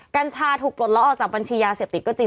กัญชาถูกปลดล็อกออกจากบัญชียาเสพติดก็จริง